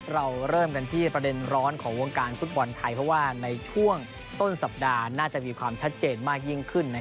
เราเริ่มกันที่ประเด็นร้อนของวงการฟุตบอลไทยเพราะว่าในช่วงต้นสัปดาห์น่าจะมีความชัดเจนมากยิ่งขึ้น